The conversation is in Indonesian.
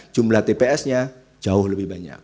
jumlah tpsnya jauh lebih banyak